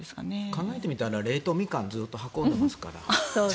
考えてみたら冷凍ミカンずっと運んでいますから。